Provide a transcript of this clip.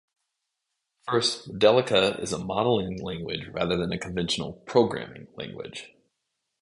First, Modelica is a modeling language rather than a conventional "programming" language.